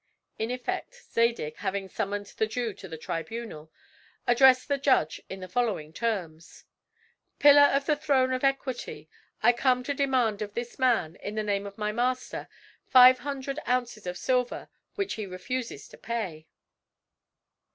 In effect Zadig, having summoned the Jew to the tribunal, addressed the judge in the following terms: "Pillar of the throne of equity, I come to demand of this man, in the name of my master, five hundred ounces of silver, which he refuses to pay."